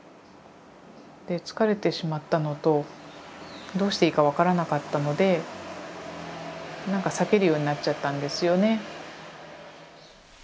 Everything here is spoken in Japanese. で疲れてしまったのとどうしていいか分からなかったのでなんか避けるようになっちゃったんですよね。